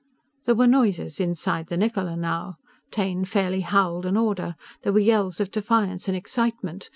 There were noises inside the Niccola, now. Taine fairly howled an order. There were yells of defiance and excitement.